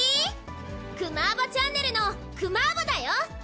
クマーバチャンネルのクマーバだよ。